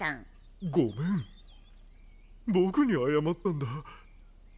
僕に謝ったんだ。